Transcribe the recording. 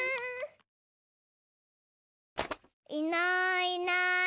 いないいない。